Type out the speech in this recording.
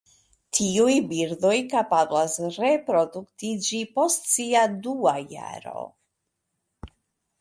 Tiuj birdoj kapablas reproduktiĝi post sia dua jaro.